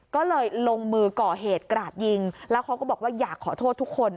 ก็เลยลงมือก่อเหตุกราดยิงแล้วเขาก็บอกว่าอยากขอโทษทุกคน